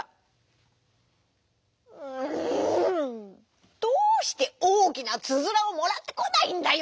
「ううんどうしておおきなつづらをもらってこないんだよ！